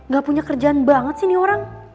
gak punya kerjaan banget sih nih orang